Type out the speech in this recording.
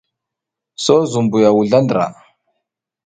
So zum buy a wuzla ndra.